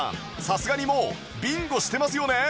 さすがにもうビンゴしてますよね？